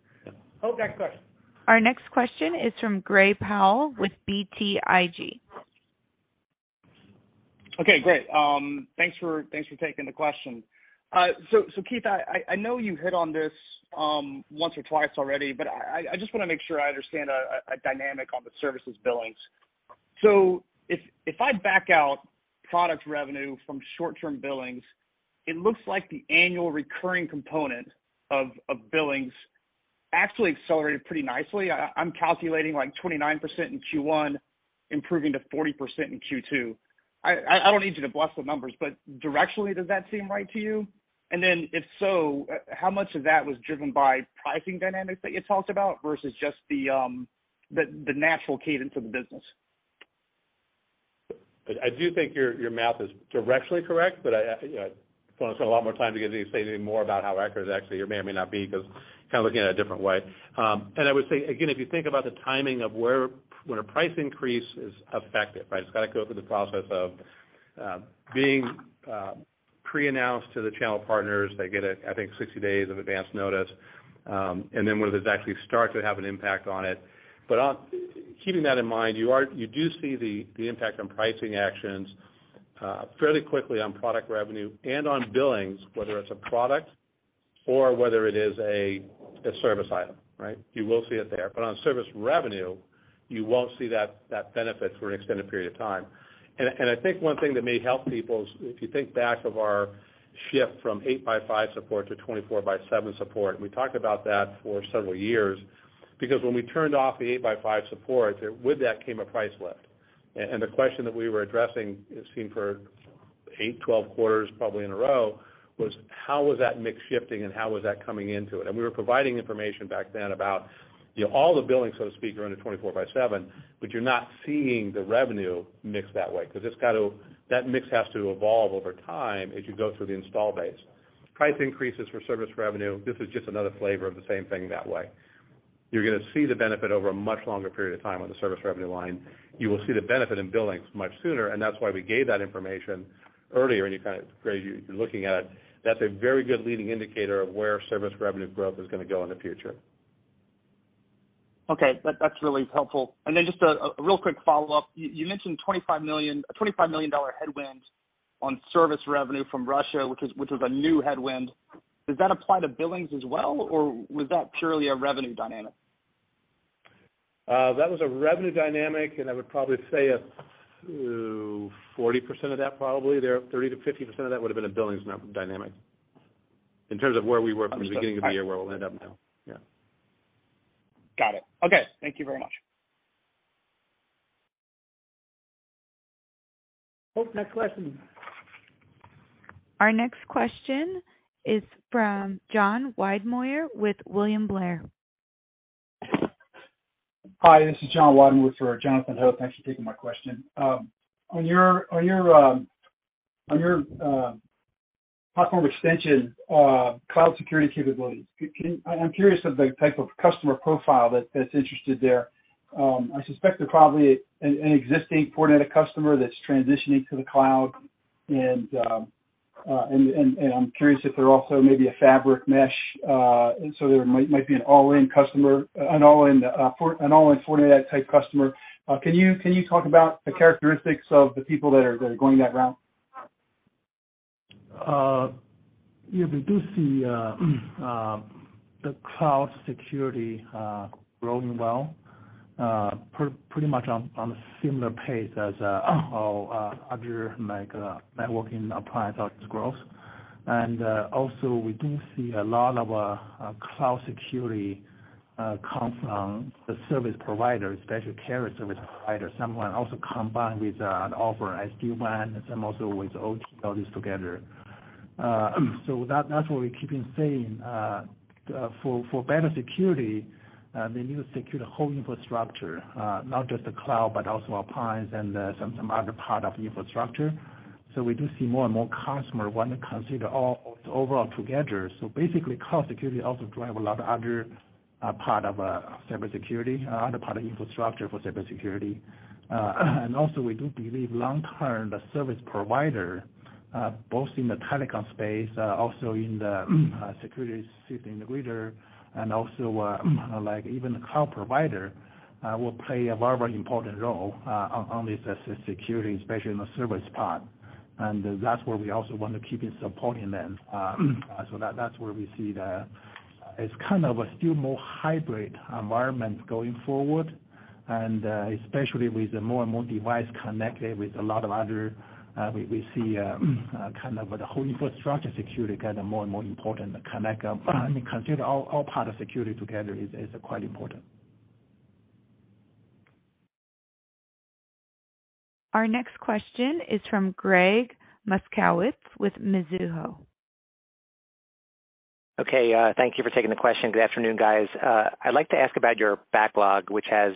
Oh, next question. Our next question is from Gray Powell with BTIG. Okay, great. Thanks for taking the question. So Keith, I know you hit on this once or twice already, but I just wanna make sure I understand a dynamic on the services billings. If I back out product revenue from short-term billings, it looks like the annual recurring component of billings actually accelerated pretty nicely. I'm calculating like 29% in Q1 improving to 40% in Q2. I don't need you to bless the numbers, but directionally, does that seem right to you? Then if so, how much of that was driven by pricing dynamics that you talked about versus just the natural cadence of the business? I do think your math is directionally correct, but I wanna spend a lot more time to get you say any more about how accurate it actually or may or may not be, 'cause kinda looking at it a different way. I would say again, if you think about the timing of when a price increase is effective, right? It's gotta go through the process of being pre-announced to the channel partners. They get, I think, 60 days of advance notice. Then whether it's actually starts to have an impact on it. Keeping that in mind, you do see the impact on pricing actions fairly quickly on product revenue and on billings, whether it's a product or whether it is a service item, right? You will see it there. On service revenue, you won't see that benefit for an extended period of time. I think one thing that may help people is if you think back to our shift from 8-by-5 support to 24-by-7 support, and we talked about that for several years, because when we turned off the 8-by-5 support, with that came a price lift. The question that we were addressing, seen for 8, 12 quarters probably in a row, was how was that mix shifting and how was that coming into it? We were providing information back then about, you know, all the billings, so to speak, are under 24-by-7, but you're not seeing the revenue mix that way, 'cause it's that mix has to evolve over time as you go through the install base. Price increases for service revenue. This is just another flavor of the same thing that way. You're gonna see the benefit over a much longer period of time on the service revenue line. You will see the benefit in billings much sooner, and that's why we gave that information earlier, and you kind of, Greg, you're looking at it. That's a very good leading indicator of where service revenue growth is gonna go in the future. Okay. That's really helpful. Just a real quick follow-up. You mentioned a $25 million headwind on service revenue from Russia, which is a new headwind. Does that apply to billings as well, or was that purely a revenue dynamic? That was a revenue dynamic, and I would probably say up to 40% of that, 30%-50% of that would have been a billings dynamic. In terms of where we were from the beginning of the year, where we'll end up now. Got it. Okay. Thank you very much. Next question. Our next question is from Jonathan Ho with William Blair. Hi, this is Jonathan Ho for Jonathan Hope. Thanks for taking my question. On your platform extension, cloud security capabilities, can you. I'm curious of the type of customer profile that's interested there. I suspect they're probably an existing Fortinet customer that's transitioning to the cloud. I'm curious if they're also maybe a fabric mesh. There might be an all-in customer, an all-in Fortinet type customer. Can you talk about the characteristics of the people that are going that route? Yeah. We do see the cloud security growing well pretty much on a similar pace as other like networking appliances' growth. Also, we do see a lot of cloud security come from the service provider, especially carrier service provider. Some also combined with offering SD-WAN and some also with OT, all these together. That's what we keep on saying for better security. They need to secure the whole infrastructure, not just the cloud, but also on-premises and some other part of the infrastructure. We do see more and more customer want to consider all of the overall together. Basically, cloud security also drive a lot of other part of cybersecurity, other part of infrastructure for cybersecurity. Also we do believe long-term, the service provider, both in the telecom space, also in the security system integrator, and also, like even the cloud provider, will play a very, very important role, on this security, especially in the service part. That's where we also want to keep supporting them. That's where we see the. It's kind of a still more hybrid environment going forward, and, especially with more and more device connected with a lot of other, we see kind of the whole infrastructure security kind of more and more important to connect, I mean, consider all part of security together is quite important. Our next question is from Gregg Moskowitz with Mizuho. Okay. Thank you for taking the question. Good afternoon, guys. I'd like to ask about your backlog, which has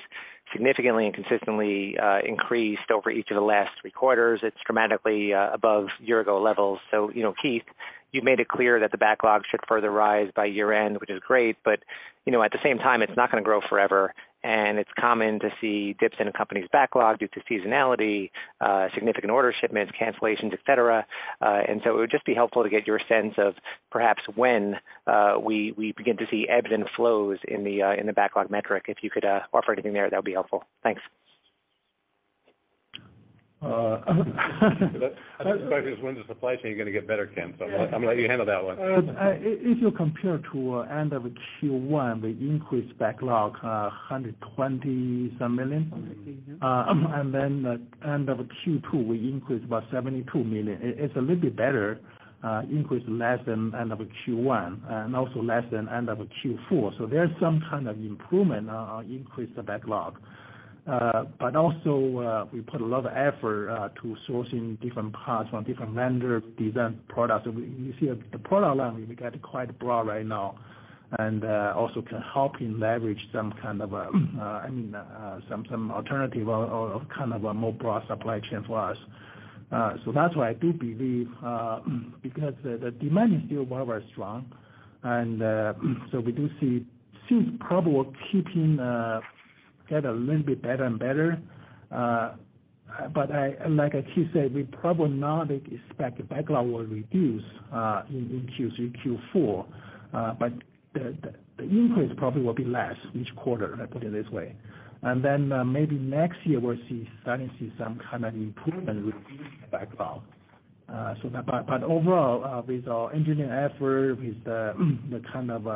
significantly and consistently increased over each of the last three quarters. It's dramatically above year ago levels. You know, Keith, you've made it clear that the backlog should further rise by year end, which is great, but you know, at the same time, it's not gonna grow forever, and it's common to see dips in a company's backlog due to seasonality, significant order shipments, cancellations, et cetera. It would just be helpful to get your sense of perhaps when we begin to see ebbs and flows in the backlog metric. If you could offer anything there, that'd be helpful. Thanks. Uh, That question is when does the supply chain gonna get better, Ken? I'm gonna let you handle that one. If you compare to end of Q1, we increased backlog $120-some million. Then end of Q2, we increased about $72 million. It's a little bit better, increased less than end of Q1, and also less than end of Q4. There's some kind of improvement on increased backlog. But also, we put a lot of effort to sourcing different parts from different vendor design products. You see the product line, we get quite broad right now and also can help in leverage some kind of, I mean, some alternative or kind of a more broad supply chain for us. So that's why I do believe, because the demand is still very, very strong. We do see things probably keeping get a little bit better and better. Like, as Keith said, we probably not expect the backlog will reduce in Q3, Q4, but the increase probably will be less each quarter. Let's put it this way. Maybe next year we'll see starting to see some kind of improvement with reducing backlog. Overall, with our engineering effort, with the kind of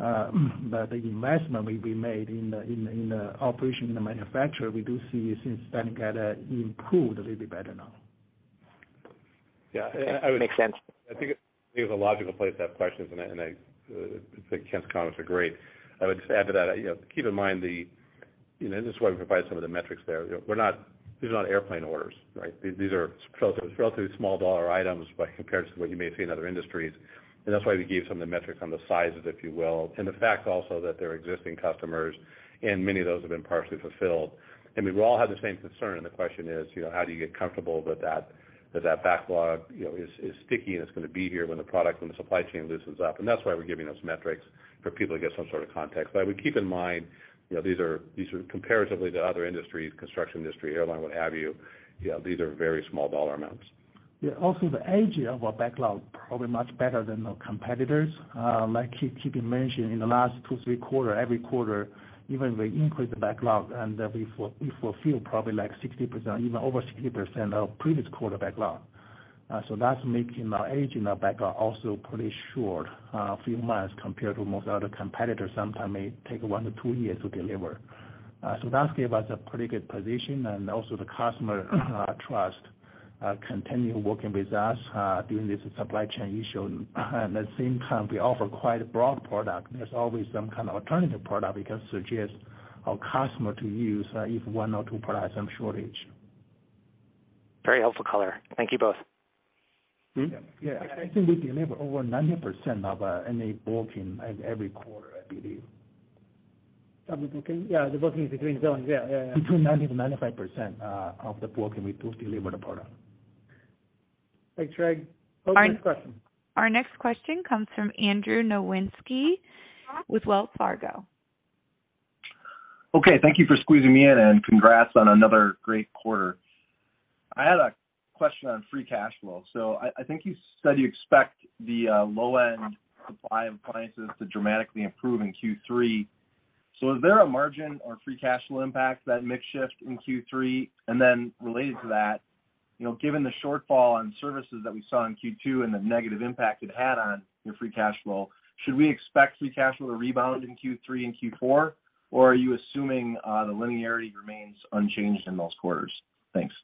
investment will be made in the operation, in the manufacturer, we do see things starting to get improved a little bit better now. Yeah. I would- Makes sense. I think it's a logical place to have questions, and I think Ken's comments are great. I would just add to that, you know, keep in mind that. You know, this is why we provide some of the metrics there. You know, this is not airplane orders, right? These are relatively small dollar items by comparison to what you may see in other industries. That's why we gave some of the metrics on the sizes, if you will. The fact also that they're existing customers, and many of those have been partially fulfilled. I mean, we all have the same concern, and the question is, you know, how do you get comfortable with that backlog, you know, is sticky and it's gonna be here when the supply chain loosens up. That's why we're giving those metrics for people to get some sort of context. I would keep in mind, you know, these are comparatively to other industries, construction industry, airline, what have you know, these are very small dollar amounts. Yeah, also the age of our backlog probably much better than our competitors. Like Keith mentioned in the last 2-3 quarters, every quarter, even we increase the backlog and then we fulfill probably like 60%, even over 60% of previous quarter backlog. So that's making our age in our backlog also pretty short, a few months compared to most other competitors, sometimes may take 1-2 years to deliver. So that gave us a pretty good position and also the customer trust continue working with us during this supply chain issue. At the same time, we offer quite a broad product. There's always some kind of alternative product we can suggest our customer to use if one or two products have shortage. Very helpful color. Thank you both. Mm-hmm. Yeah. I think we deliver over 90% of any booking at every quarter, I believe. Of the booking? Yeah, the booking is between billions, yeah. Between 90%-95% of the booking, we do deliver the product. Thanks, Greg. Next question. Our next question comes from Andrew Nowinski with Wells Fargo. Okay, thank you for squeezing me in, and congrats on another great quarter. I had a question on free cash flow. I think you said you expect the low-end supply of appliances to dramatically improve in Q3. Is there a margin or free cash flow impact that mix shift in Q3? And then related to that, you know, given the shortfall on services that we saw in Q2 and the negative impact it had on your free cash flow, should we expect free cash flow to rebound in Q3 and Q4, or are you assuming the linearity remains unchanged in those quarters? Thanks.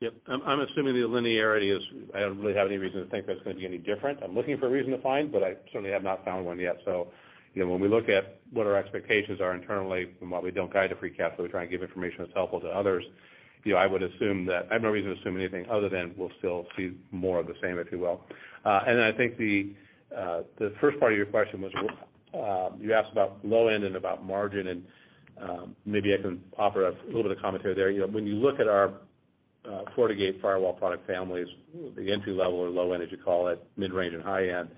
Yep. I'm assuming the linearity is I don't really have any reason to think that's gonna be any different. I'm looking for a reason to find, but I certainly have not found one yet. You know, when we look at what our expectations are internally from what we don't guide to free cash flow, we try and give information that's helpful to others. You know, I would assume that I have no reason to assume anything other than we'll still see more of the same, if you will. I think the first part of your question was, you asked about low end and about margin, and maybe I can offer a little bit of commentary there. You know, when you look at our FortiGate firewall product families, the entry level or low end, as you call it, mid-range and high end,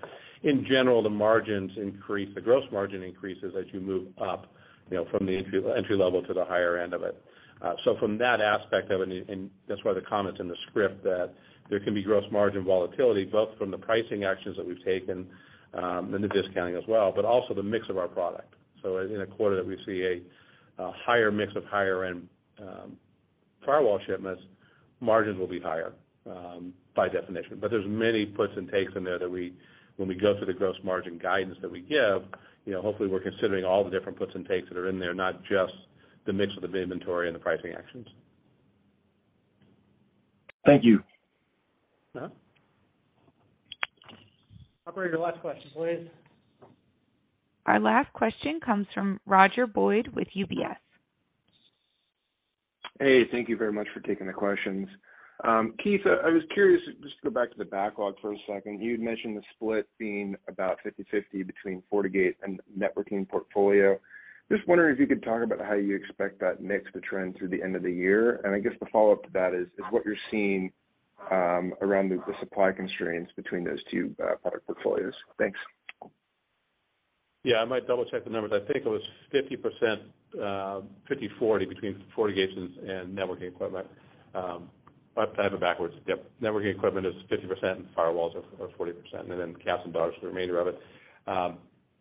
in general, the margins increase, the gross margin increases as you move up, you know, from the entry level to the higher end of it. From that aspect of it, and that's why the comments in the script that there can be gross margin volatility, both from the pricing actions that we've taken, and the discounting as well, but also the mix of our product. In a quarter that we see a higher mix of higher-end firewall shipments, margins will be higher, by definition. There's many puts and takes in there that we, when we go through the gross margin guidance that we give, you know, hopefully we're considering all the different puts and takes that are in there, not just the mix of the inventory and the pricing actions. Thank you. Yeah. Operator, last question, please. Our last question comes from Roger Boyd with UBS. Hey, thank you very much for taking the questions. Keith, I was curious, just to go back to the backlog for a second. You had mentioned the split being about 50/50 between FortiGate and networking portfolio. Just wondering if you could talk about how you expect that mix to trend through the end of the year. I guess the follow-up to that is what you're seeing around the supply constraints between those two product portfolios. Thanks. Yeah, I might double-check the numbers. I think it was 50%, 50/40 between FortiGates and networking equipment. I have it backwards. Networking equipment is 50% and firewalls are 40%, and then cats and dogs the remainder of it.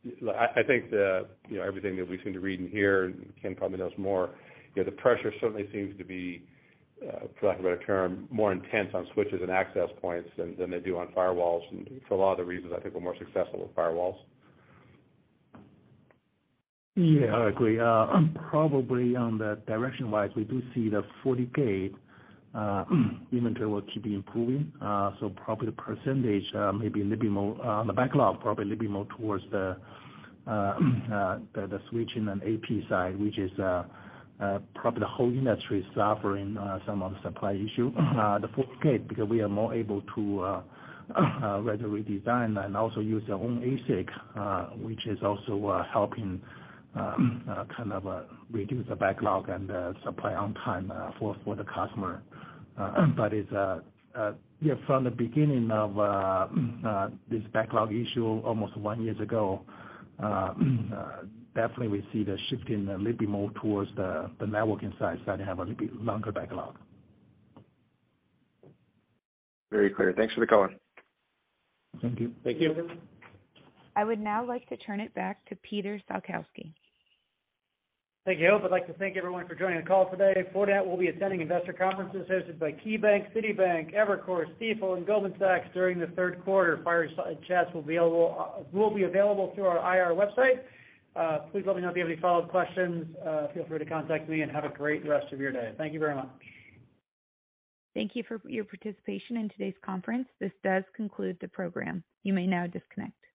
I think, you know, everything that we seem to read and hear, and Ken probably knows more, you know, the pressure certainly seems to be, for lack of a better term, more intense on switches and access points than they do on firewalls. For a lot of the reasons I think we're more successful with firewalls. Yeah, I agree. Probably on the direction-wise, we do see the FortiGate inventory will keep improving. So probably the percentage maybe a little bit more the backlog probably a little bit more towards the switching and AP side, which is probably the whole industry is suffering some of the supply issue. The FortiGate, because we are more able to rather redesign and also use our own ASIC, which is also helping kind of reduce the backlog and the supply on time for the customer. But it's yeah, from the beginning of this backlog issue almost one years ago, definitely we see the shift in a little bit more towards the networking side starting to have a little bit longer backlog. Very clear. Thanks for the color. Thank you. Thank you. I would now like to turn it back to Peter Salkowski. Thank you. I'd like to thank everyone for joining the call today. Fortinet will be attending investor conferences hosted by KeyBanc, Citibank, Evercore, Stifel, and Goldman Sachs during the third quarter. Fireside chats will be available through our IR website. Please let me know if you have any follow-up questions. Feel free to contact me, and have a great rest of your day. Thank you very much. Thank you for your participation in today's conference. This does conclude the program. You may now disconnect.